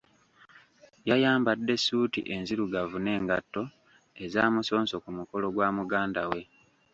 Yayambadde ssuuti enzirugavu n'engatto ez'amusonso ku mukolo gwa muganda we.